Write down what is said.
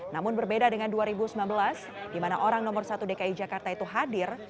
namun berbeda dengan dua ribu sembilan belas di mana orang nomor satu dki jakarta itu hadir